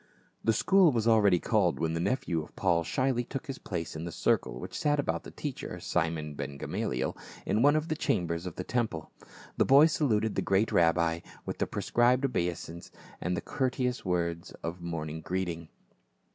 The school was already called when the nephew of Paul shyly took his place in the circle which sat about the teacher, Simon Ben Gamaliel, in one of the cham bers of the temple. The boy saluted the great rabbi with the prescribed obeisance and the courteous words of morning greeting.